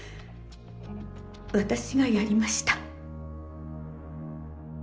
私がやりました。